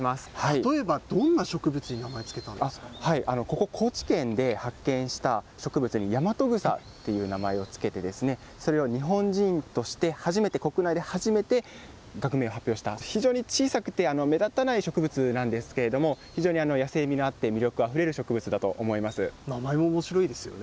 例えば、どんな植物に名前をここ、高知県で発見した植物でヤマトグサという名前を付けて、それを日本人として初めて、国内で初めて学名を発表した、非常に小さくて、目立たない植物なんですけど、非常に野性味があって、魅力あふれ名前もおもしろいですよね。